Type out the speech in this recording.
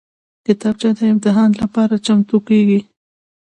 کتابچه د امتحان لپاره چمتو کېږي